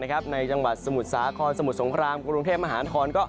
จังหวัดสมุทรสาครสมุทรสงครามกรุงเทพมหานคร